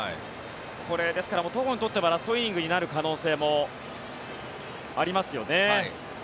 ですから戸郷にとってはラストイニングになる可能性もありますよね。